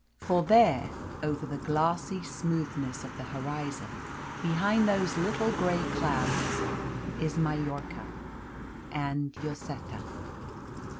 For there, over the glassy smoothness of the horizon, behind those little grey clouds, is Majorca and Lloseta.